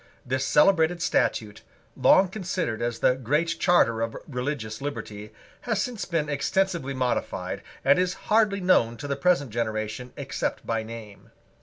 This celebrated statute, long considered as the Great Charter of religious liberty, has since been extensively modified, and is hardly known to the present generation except by name.